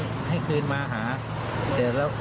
เพราะไม่เคยถามลูกสาวนะว่าไปทำธุรกิจแบบไหนอะไรยังไง